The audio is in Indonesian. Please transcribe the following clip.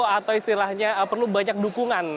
atau istilahnya perlu banyak dukungan